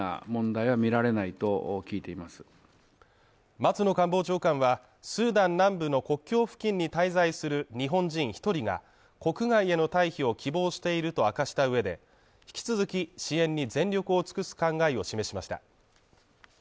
松野官房長官は、スーダン南部の国境付近に滞在する日本人１人が国外への退避を希望していると明かした上で、引き続き支援に全力を尽くす考えを示しました